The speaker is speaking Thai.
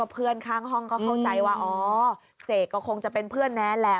เพื่อนข้างห้องก็เข้าใจว่าอ๋อเสกก็คงจะเป็นเพื่อนแนนแหละ